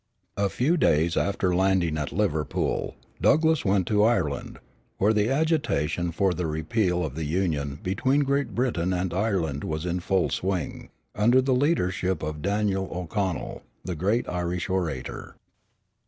A few days after landing at Liverpool, Douglass went to Ireland, where the agitation for the repeal of the union between Great Britain and Ireland was in full swing, under the leadership of Daniel O'Connell, the great Irish orator.